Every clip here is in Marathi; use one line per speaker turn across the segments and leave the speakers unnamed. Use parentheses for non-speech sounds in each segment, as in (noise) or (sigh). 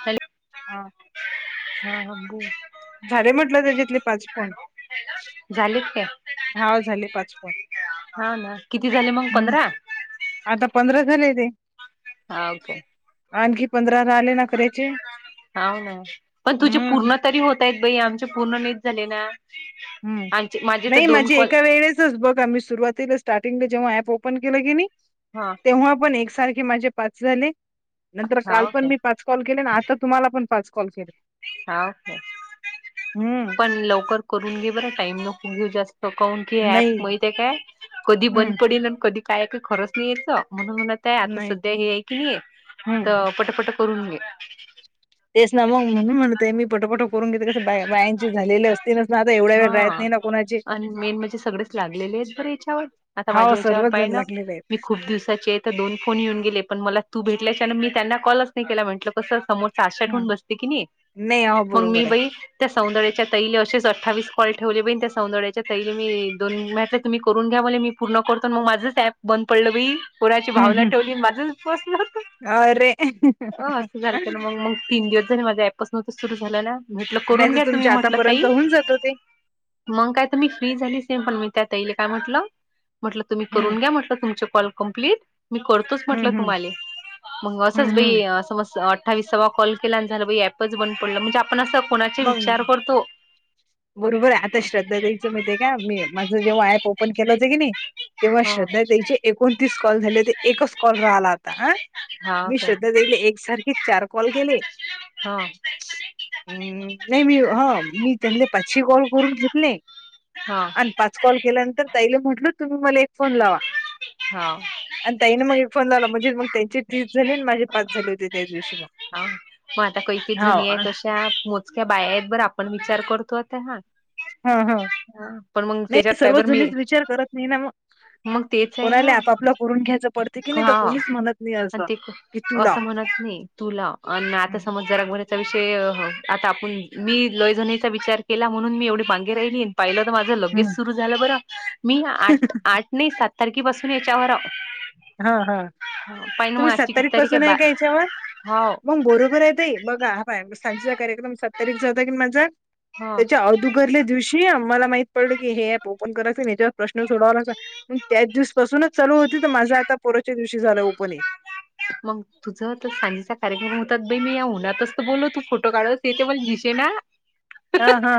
हॅलो!
हा.
हा अबू.
झाले म्हटलं त्याच्यातले पाच पण
(unintelligible) झाले काय
झाले पाच फोन
हो ना किती झाले मग
हम्म
पंधरा?
आता पंधरा झाले रे
ह ओके
आणखी पंधरा राहिले करायचे
हावूं ना पण तुझे
हम्म
पूर्ण तरी होतय बाई आमचे पूर्ण नाहीच झाले ना
हम्म
आमचे माझे तर
नाही
दोन
माझी
कॉल
एका वेळेस बघ आम्ही सुरुवातीला स्टार्टिंगले जेव्हा ॲप ओपन केलं क नाही
हा
तेव्हा पण एकसारखे माझे पाच झाले नंतर काल
हाव
पण
काय
मी पाच कॉल के तर तुम्हाला पण पाच कॉल केले
(unintelligible) ह का
हम्म
पण लवकर करून घे बरं टाइम नको घेऊ जास्त का कावून की
नाही
ऍप माहित आहे काय कधी बंद
हम्म
पडेल आणि कधी, काय का खरंच नाही यायच म्हणून म्हणतय आता
नाही
सध्या हे आहे की नाही आहे
हम्म
तर पटपट (unintelligible) करून घे
तेच ना मग म्हणून म्हणतय मी पटोपट करून घेते कस बायांची झालेले असती ना ना आता एवढ्या वेळ राहत
हा
नाही ना कोणाची
आणि मेन म्हणजे सगळे लागलेले आहेत बरे याच्यावर आता
हाव
माझ्या ह्याच्यावर
सर्वच
पाहि
जण
ना
लागलेले आहेत
मी खूप दिवसाचे तर दोन फोन येऊन गेले पण मला तू भेटल्याच्यान मी त्यांना कॉलच नाही केला म्हटलं कस समोर सासठ
हा
होऊन बसते की नाही
नाही अ
मग मी बाई! त्या सौंदर्याच्या ताई असे अठ्ठावीस कॉल ठेवले बाई त्या सौंदडेच्या ताई मी दोन म्हटलें तुम्ही करून घ्या म्हणले मी पूर्ण करतो मग माझंच ऍप बंद पडलं ब कोणाची
हं,
भावना
हं.
ठेवली माझंच बसलं होत
(unintelligible)
अ असं झालतं ना मग मग तीन दिवस झाले माझ्ं ॲप सुरू (unintelligible) म्हटलं करून
नाहीतर
घ्या तुम्ही
तुमच्या
म्हटलं ताई
आतापर्यंत होऊन जात होते.
मग काय तर मी फ्री झाली नाही पण मी त्यात ताई ला काय म्हटलं म्हटलं तुम्ही
हं,
करून घ्या म्हटलं तुमच कॉल कंप्लीट मी करतोच म्हटलं
हं, हं.
तुम्हाला (unintelligible) मग असंच
हं,
बाई
हं.
अस वीसावा कॉल केला आणि झालं ऍपच बंद पडलं म्हणजे आपण अस कोणाचे
मग
विचार करतो
बरोबर आहे आता श्रद्धा द्यायचं माहिेत काय मी माझं जेव्हा ऍप ओपन केलं होतं की नाही तेव्हा
हा.
श्रद्धा त्याचे एकोणतीस कॉल झाले ते एकच कॉल राहिला आता
हा
मी
काय
श्रद्धा ताई ला एकसारखे चार कॉल केले?
हा (unintelligible)
(inaudible) हम्म नाही मी हा मी पाचही कॉल करून घेतले
हा. हा.
आणि पाच कॉल केल्यानंतर तईला म्हटल तुम्ही मला एक फोन लावा
हा (unintelligible)
आणि तईने मग एक फोन लावला म्हणजे मग त्यांचे तीस झाले आणि माझे पाच झाले होते त्याच दिवशी मग
हा मग आता कैक जणी
हाव.
आहे तस त्या (unintelligible) काय बायात बर आपण विचार करतो आता हा
हा हा
पण मग त्याच्यात
नाही
काय
सर्व
बर मी
जुनीच विचार करत नाही ना मग
मग तेच आहे ना
कोणाला आपापलं करून घ्यायचं पडत
हा आणि ते
कि तुला
असं (unintelligible) म्हणत नाही तुला आणि आता समज जरागभरचा विषय आता आपण मी लईजणीचा विचार केला म्हणून मी एवढी मांगे राहिली पाहिलं तर माझं लगेच सुरु झालं बरं मी आठ आठ नाही सात तारखे पासून याच्यावर
हा हा
पाहि ना मग
तुम्ही
आजची किती
सत्तारीख
तारीख
पासून आहे
बा
का याच्यावर
हो
मग बरोबर आहे. बघा हा सजेचा कार्यक्रम सत्तारीचा हो की माझा
हो
त्याच्या घरल्या दिवशी मला माहित पडल की हे अप ओपन करायंच याच्यावर प्रश्न सोडावा लाग त्याच दिवसपासूनच चालू होती तर माझं आता पोराच्या दिवशी झालं ओपनिंग
मग तुझं तर सांजेचा कार्यक्रम होतात बई मी या उनच बोलो तू फोटो काढस ते तेव दिसे ना.
हा हा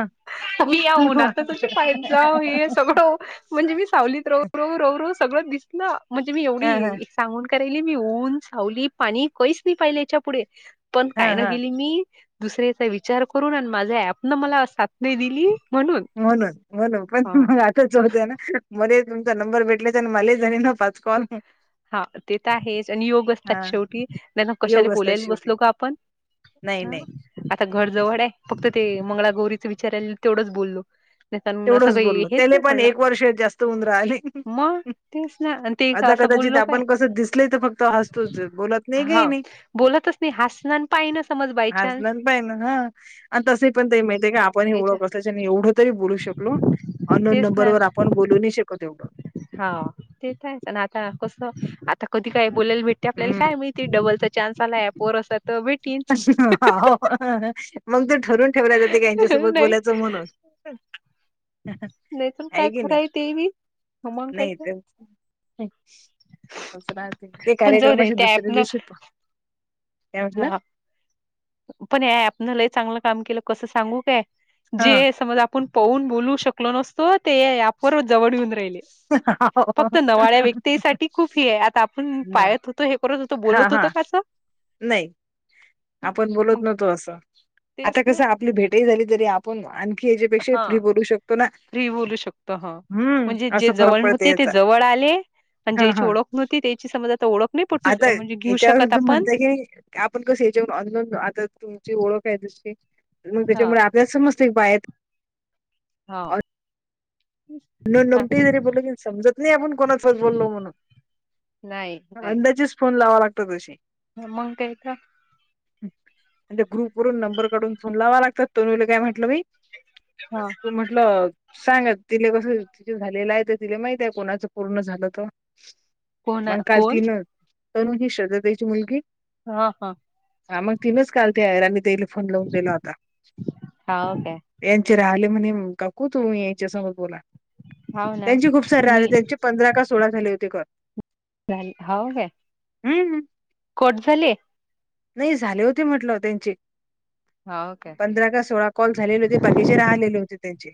आम्ही याऊनाता कशी पायत जाऊ हे सगळं म्हणजे मी सावलीत रव रव रव रव सगळं दिसलं म्हणजे मी
हा हा
एवढी. सांगून करायली मी ऊन सावली पाणी कहीच नाही पाहिले याच्या पुढे पण काय
हा
ना
हा
गेली मी दुसऱ्याचा विचार करून आणि माझ्या ऍप न मला साथ नाही दिली.
म्हणून म्हणून पण
हा
मग आताच होतय ना मध्ये तुमचा नंबर भेटल्याचा आणि मला झाणी ना पा (inaudible)
हा ते तर आहेच आणि योग
हा
असतात शेवटी त्यांना कशाला
योग असतात
बोलायला
शेवटी
बसलो का आपण.
नाही
हा
नाही.
आता घर जवळ आहे फक्त ते मंगळागौरीच विचार आला तेवढंच बोललो. नाही असं
तेवढंच
काही
बोललो
हेच
त्याला
नाही
पण
पडलं
एक वर्ष जास्त उंदरं आली.
मग तेच ना आणि ते का
आता
असं
कदाचित
बोललो काय
आपण कसं दिसल तर फक्त हसतोच बोलत नाही घे
हा
नाही.
बोलतच नाही हसणार पाहि ना समज बाय चान्स
हजन प ना हा आणि तसे पण ते माहिती का आप पण ओळं
याच्या
कय आणि एवढं तरी बोलू शकलो अनोन
तेच
नंबर
ना
वर आपण बोलू नाही शकत एवढं
हा ते आहेच आता कस आता कधी काही बोलायला भेटते आपल्याला
हम्म
काय मिळते डबल त चान्स आला आहे पोर असत.
मग ते ठरून ठेवला जाते का त्यांच्यासोबत
नाही
बोलायचं म्हणून.
नाहीतर
आहे
काय
की
खरं
नाही
ते बी मग काय
नाही तर. दस ते
पण जाऊ दे
कार्यक्रमाचे
त्या
दुसऱ्या
ऍपनं
दिवशी काय म्हटलं?
हा पण आपन लही चांगलं काम केलं कसं सांगू काय
हा
जे समज आपण पहून बोलू शकलो नसतो ते ऍपवर जवळ येऊन राहिले. फक्त नवाळ्या व्यक्तीसाठी खूप हे आहे आता आपण पाळत होतो हे. त हो
हा
बोलत होत
हा
कासं.
नाही आपण बोलत
मग
नवतो असं
तेच
आता
ना
कसं आपली भेटही झाली तरी पण आणखी याच्यापेक्षा फ्री बरू शकतो. ना
त्री बोलू शकतो हा.
हम्म
म्हणजे जे
असं फरक
जवळ
पडते
नव्हते ते
याचा
जवळ आले आणि
हा
ज्याची
हा
ओळख नव्हती त्याची समज आता ओळख नाही पटू
आता
म्हणजे घेऊ
याच्यावर
शकत
सुद्ध
आपण
म्हणत की. आपण कस याच्या आता तुमची ओळख आहे तसशी मग
हा
त्याच्यामुळे. समस्त बाय आहेत.
हा.
न
हा
नमते तरी बोलल की समजत नाही आपण कोणाचच बोललो म्हणून.
नाही.
अंड्याची स्पून लावा लागतो तशी
हो मंग कायथ
त्या ग्रुप वून नंबर काढून फोन लावा लागतात तोनला काय म्हंटलं मी
हा.
म्हटलं सांग ति ति झालेलं आहे तर तिला माहित आहे कोणाचं पूर्ण झालं तर
कोण
मग काल
कोण
तिन तरणू ही श्रद्जतेची मुलगी
हा हा.
हा मग तिनच कालते आहेरनी तेला फोन लावून गेला होता.
हा काय
यांचे राहिले म्हणे काकू तू यांच्यासमोर बोला.
हाव ना
त्यांची खूप सार आले
मी
त्यांचे पंधरा का सोळा झाले होते घर.
झाले हो का?
हम्म हम्.
कोठ झाले?
नाही झाले होते म्हटलं होते त्यांचे
हा ओके.
पंधरा का सोळा कॉल झालेले होते बाकीचे राहलेले होते त्यांचे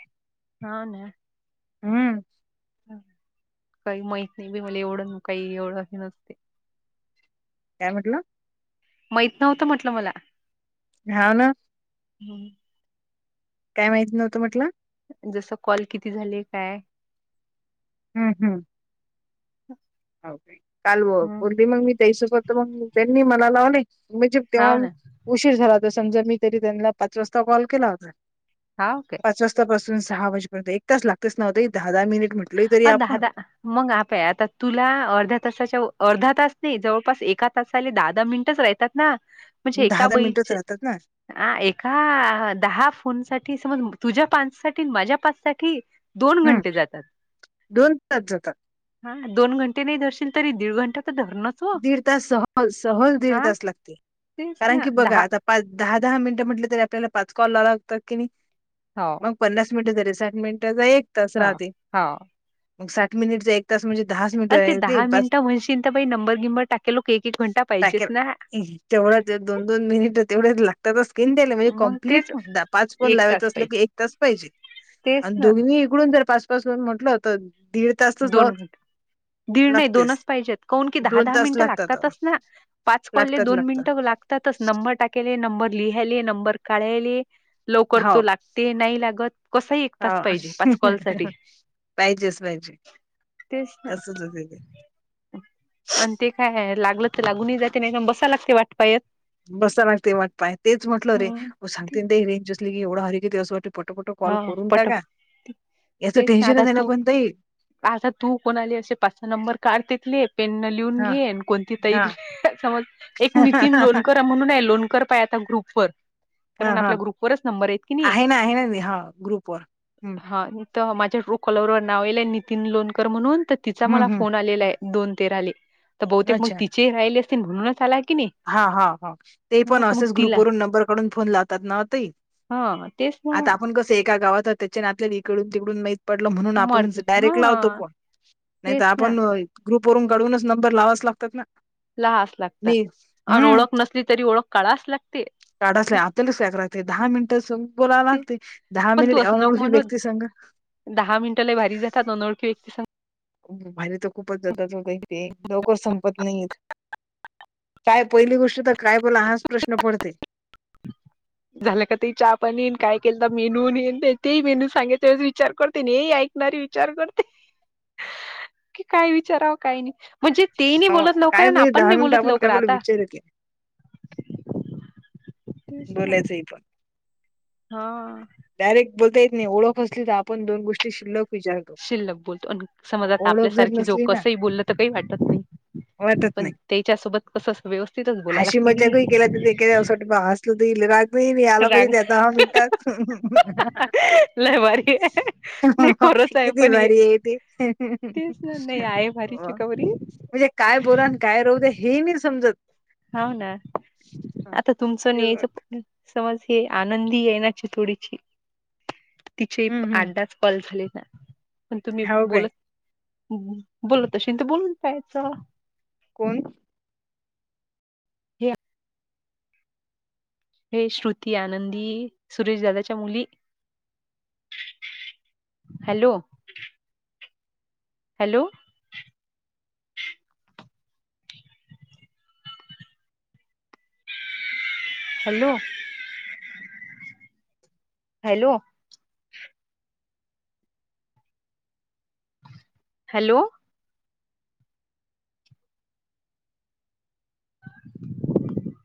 हा ना.
हम.
काही माहत नाही बी मला एवढं काही एवढं अस नसत.
काय म्हटलं?
माहीत नव्हतं म्हटलं मला
हा ना.
हम्म.
काय माहिती नव्हतं म्हटलं.
जसं कॉल किती झाले काय?
हम् हम्. हो काल
हं
(unintelligible) मग त्यांनी मला लावली म्हणजे तेव्हा
हाव ना
उशीर झाला होता समजा मी तरी त्यांना पाच वाजता कॉल केला होता.
हा ओके.
पाच वाजतापासून सहा वाजेपर्यंत एक तच लागतोच ना ओ ताई दहा दहा मिनिट म्हट.
अ दहा दहा. मग आप्या आता तुला अर्ध्या तासाच्या अर्धा तास नाही जवळपास एका तासला दहा दहा मिनिटच रायतात. ना म्हणजे
दहा
एका
दहा मिनिटच
बईचे
राहतात ना
ह एका दहा फोन साठी समज तुझ्या पानच साठी माझ्या पाच साठी दोन
हम्
घंटे जातात.
दोन तास जातात.
हा दोन घंटे नाही धरशील तरी दीड घंटा तर धरणच. हो
दीड तास सहज सहज
हा
दीड तास लागते
तेच
कारण
ना
की बघा
दहा
आता पाच दहा दहा मिनिटं म्हटले तरी आपल्याला पाच कॉल लाव लागत कि नाही.
हो.
मग पन्नास मिनिट झाले साठ मिनिटचा एक तास
हो
राहते
हो
मग साठ मिनिटच एक तास म्हणजे दहाास मिनिटं आहे ते बास
चि काई नंबर गिमबर टक. ते लोक एकएक घंटा प (unintelligible)
टाकेल तेवढंच दोन दोन मिनिट तेवढे लागतातच. द्यायला म्हणजे
मग तेच
कंप्लीट
मग
द पाच पोन
एक
लावायचं
तास
असलं
पाहिजे
की एक तास पाहिजे.
तेच ना
दोन्ही इकडून जर पाचपाचं (unintelligible) म्हटल होत.
दोन दीड नाही
लागतेच.
दोनच पाहिजेत. कोन की दहा
दोन
दहा
तास
मिनिटं
लागतात
लागतातच ना पाच कॉलले
लागतात
दोन
लागतात
मिनटं लागतात. नंबर टाकीले नंबर लिहाले नंबर काढाले लवकर
हो
तो लाग. ते नाही लागत कसही एक तास
हो.
पाहिजे पाच कॉल साठी
पाहिजेच पाहिजे.
तेच ना.
तसच होते ते
आणि ते काय लागलं तर लागूनही जाते नाही बसाय लागते वाटपायत.
बसा लागते वाट पाय तेच म्हटलं रे ओ
ते-
सांगते ना ताई रेंज अससली की एवढं (unintelligible) कितीवाटत. पटोपट
हा
कॉल करून टाका
पटापट
याचं टेन्शनच नाही ना पणताई
आताा तू कोणा आली असे पाचसा नंबर काढ तेतले पेन न. लिहून
हा
घेन कोणती
हा
(unintelligible) समज. एक
हा
नितीन लोणकर म्हणून आहे लोणकर पाय आता ग्रुप व
हा
कारण
हा
आपल्या ग्रुपवरच नंबर आहेत की नाही.
आहे ना आहे ना हा ग्रुप पर
हा तर माझ्या टू कॉलरवर नाव आलंय नितीन लोनकर म्हणून तर तिचा
हं,
मला
हं.
फोन आलेला आहे. दोन तेराले तर बहुतेक मग तिचे राहिले असतील म्हणूनच आलाय की नाही.
हा हा हा ते
हा
पण
तर मग
असेच ग्रुप
तिला
वरून नंबर काढून फोन लावतात ना ताई.
हा तेच ना
आता आपण कसं एका गावात त्याच्या नातलग इकडून तिकडून माहि पडल म्हणून आपण
म्हटलं
डायरेक्ट लावतो
हा
फोन नाही तर
तेच ना
आपण ग्रुप वरून गडवूनच नंबर लावावेच लागतात ना.
लहास लागतात
मी
आणि
हं.
ओळख नसली तरी ओळख काढाविच लागते.
काढचल्या आपल्यालाच (unintelligible) लागते दहा
तेच
मिनिट स बोलायला लागते. दहा
पण तू
मिनिट
असं नको
(unintelligible)
म्हणू
व्यक्ती संघ
दहा मिनिटं लय भारी जात अनओळखी व्यक्ती संग.
बाहेर तर खूपच जातात का (unintelligible) ते लवकर संपत नाहीत. काय पहिली गोष्ट तर काय बोला हाच प्रश्न पडतय.
झालं का ताई चहा पाणी अन् काय केलता मेनू अन् हे अन् ते तेच विचार (unintelligible) तरी विचार करते की काय विचारावं काही नाही. म्हणजे ते नाही
अ,
बोलत लवकर
काय
आणि
म्हणजे
आपण नाही
मिनिटं
बोलत
आपण
लवकर.
काय बोला
आता
विचार येते बोलायचंय पण
हां
डायरेक्ट बोलता येत नाही ओळखली तर आपण दोन गोष्ट
शिल्लक बोलतो. समज आता
ओळख जर
आपल्यासारखी जो
नसली ना
कसही बोलल तर काही वाटत नाही.
वाटत
पण
नाही.
त्याच्या सोबत कसं व्यवस्थितच बोलाव
हशी
लागते कि नाही.
ल राग नाही आला पाहिजे
राग
त्या दहा मिनिटांत.
लय भारी आहे नाही खरंच आहे
किती
पण हे
भारीय ती.
तेच ना नाही आहे भारी चिकवरी
म्हणजे काय बोला आणि काय राहू द्या हे मी समजत
हो ना आता तुमचं न
हम्म
यायचं. समज हे आनंदी आहे ना चितोडीची. तिचे
हम्म
अड्डाच पल झाले ना पण तुम्ही
हो काय
बोलत बोल तशी तर बोलून जायचं.
कोण
या ते श्रुती, आनंदी सुरेश दादाच्या मुली. Hello hello hello hello hello